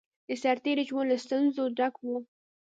د سرتېری ژوند له ستونزو ډک وو